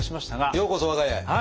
ようこそ我が家へ。